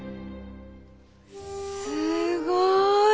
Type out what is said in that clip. すごい。